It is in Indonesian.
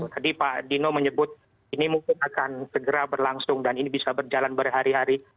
tadi pak dino menyebut ini mungkin akan segera berlangsung dan ini bisa berjalan berhari hari